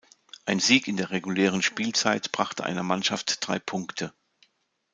Ein Sieg in der regulären Spielzeit brachte einer Mannschaft drei Punkte.